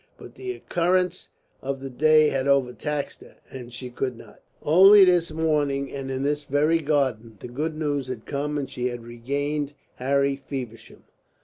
But the occurrences of the day had overtaxed her, and she could not. Only this morning, and in this very garden, the good news had come and she had regained Harry Feversham.